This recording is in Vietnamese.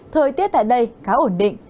thời tiết tại đây khá ổn định